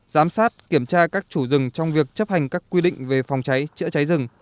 giám sát kiểm tra các chủ rừng trong việc chấp hành các quy định về phòng cháy chữa cháy rừng